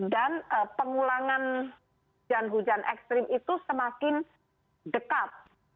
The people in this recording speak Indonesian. dan pengulangan hujan ekstrim itu semakin dekat